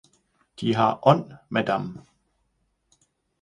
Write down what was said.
De har ånd, madame!